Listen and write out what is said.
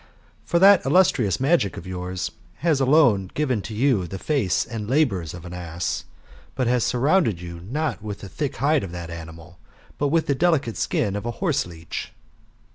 For that illus trious magic of yours has alone given to you the face and the labburs of an ass, but has surrounded you not with the thick hide 6f that animal, but with the delicate skin of a horse leech.